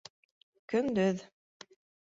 Көндөҙ...